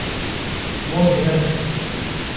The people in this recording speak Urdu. وہ ہرن ہے